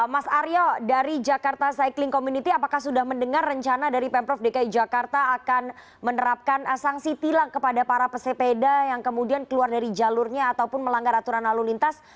mas aryo dari jakarta cycling community apakah sudah mendengar rencana dari pemprov dki jakarta akan menerapkan sanksi tilang kepada para pesepeda yang kemudian keluar dari jalurnya ataupun melanggar aturan lalu lintas